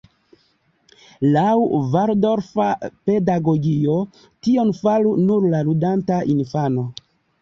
Laŭ valdorfa pedagogio, tion faru nur la ludanta infano.